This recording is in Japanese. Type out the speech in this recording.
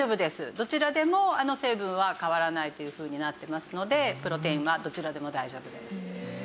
どちらでも成分は変わらないというふうになってますのでプロテインはどちらでも大丈夫です。